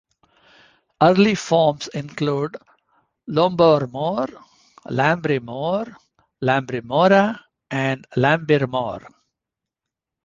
Early forms include Lombormore, Lambremore, Lambermora and Lambirmor.